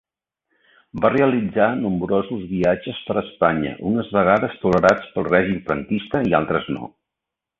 Va realitzar nombrosos viatges per Espanya, unes vegades tolerats pel règim franquista i d'altres no.